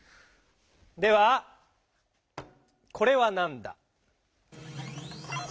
ではこれはなんだ？